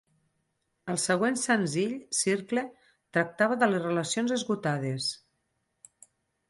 El següent senzill, "Circle," tractava de les relacions esgotades.